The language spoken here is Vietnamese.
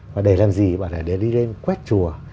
và để làm gì bảo là để đi lên quét chùa